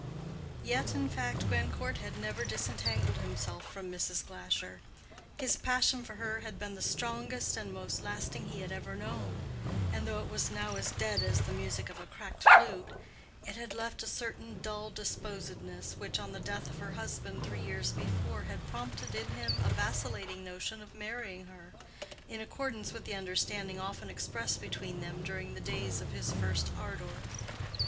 Yet, in fact, Grandcourt had never disentangled himself from Mrs. Glasher. His passion for her had been the strongest and most lasting he had ever known; and though it was now as dead as the music of a cracked flute, it had left a certain dull disposedness, which, on the death of her husband three years before, had prompted in him a vacillating notion of marrying her, in accordance with the understanding often expressed between them during the days of his first ardor.